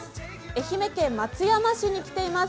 愛媛県松山市に来ています。